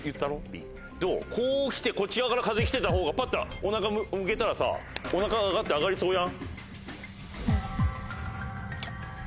でもこう来てこっち側から風来てた方がパッてお腹向けたらさお腹がガッて上がりそうじゃん？